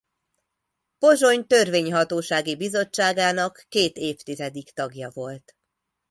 Pozsony törvényhatósági bizottságának két évtizedig tagja volt.